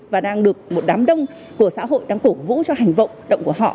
và đang được một đám đông của xã hội đang cổ vũ cho hành động của họ